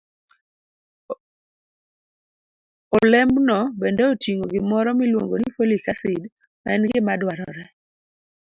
Olembno bende oting'o gimoro miluongo ni folic acid, ma en gima dwarore